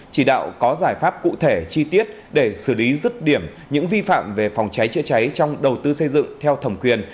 chỉ đạo có giải pháp cụ thể chi tiết để xử lý rứt điểm những vi phạm về phòng cháy chữa cháy trong đầu tư xây dựng theo thẩm quyền